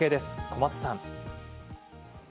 小松さん。